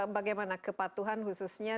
bagaimana kepatuhan khususnya